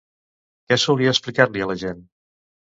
Què solia explicar-li a la gent?